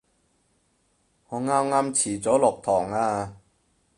我啱啱遲咗落堂啊